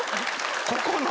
ここの。